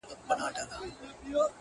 • ایله خره ته سوه معلوم د ژوند رازونه ,